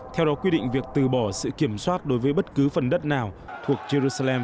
theo đó quy định việc từ bỏ sự kiểm soát đối với bất cứ phần đất nào thuộc jerusalem